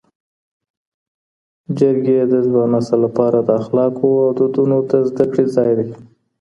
جرګې د ځوان نسل لپاره د اخلاقو او دودونو د زده کړې ځای دی.